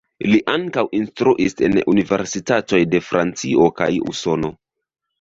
Li ankaŭ instruis en universitatoj de Francio kaj Usono.